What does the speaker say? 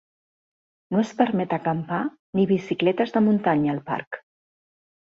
No es permet acampar, ni bicicletes de muntanya al parc.